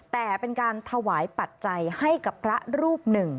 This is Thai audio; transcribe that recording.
แต่เป็นการถวายปัจจัยให้กับพระรูปหนึ่ง